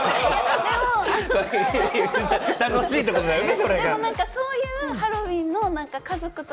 楽しいってことだよね？